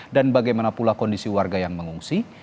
dan bagaimana pula kondisi warga yang mengungsi